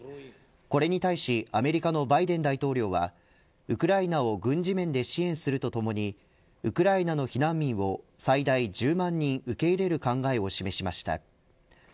これに対しアメリカのバイデン大統領はウクライナを軍事面で支援するとともにウクライナの避難民を最大１０万人受け入れる考えを示しました。